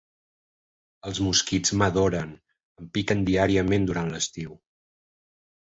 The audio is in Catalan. Els mosquits m'adoren, em piquen diàriament durant l'estiu.